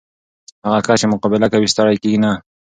هغه کس چې مقابله کوي، ستړی کېږي نه.